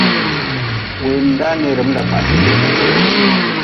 Weemdaa neeerm da kpah geem.